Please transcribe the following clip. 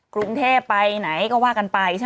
กรุงเทพไปไหนว่ากันไป